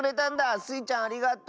スイちゃんありがとう！